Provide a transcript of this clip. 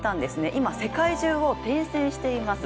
今、世界中を転戦しています。